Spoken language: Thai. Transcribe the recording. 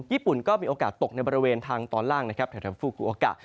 ญี่ปุ่นก็มีโอกาสตกในบริเวณทางตอนล่างนะครับแถวฟูกูโอกะ